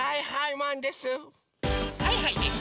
はいはいマンです！